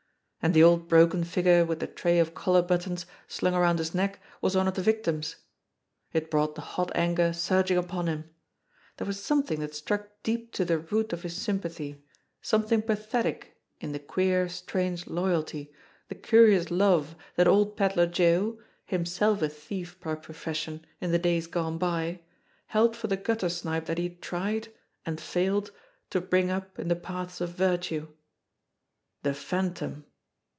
And the old broken figure with the tray of collar but tons slung around his neck was one of the victims! It brought the hot anger surging upon him. There was some thing that struck deep to the root of his sympathy, some thing pathetic in the queer, strange loyalty, the curious love that old Pedler Joe, himself a thief by profession in the days gone by, held for the gutter snipe that he had tried and failed to bring up in the paths of virtue ! The Phan tom